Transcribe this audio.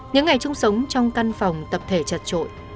những ngày chung sống trong căn phòng tập thể chật trội